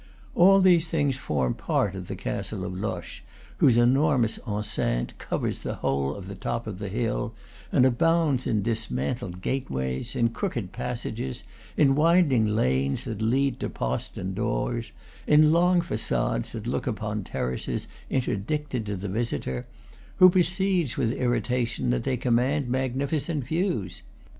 All these things form part of the castle of Loches, whose enorm ous enceinte covers the whole of the top of the hill, and abounds in dismantled gateways, in crooked passages, in winding lanes that lead to postern doors, in long facades that look upon terraces interdicted to the visitor, who perceives with irritation that they com mand magnificent views.